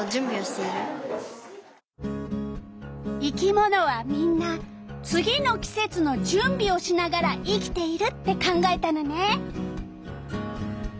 「生き物はみんな次の季節の準備をしながら生きている」って考えたのね。